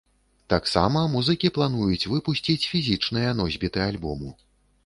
Таксама музыкі плануюць выпусціць фізічныя носьбіты альбому.